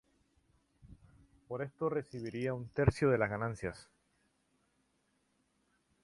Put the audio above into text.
Por esto recibiría un tercio de las ganancias.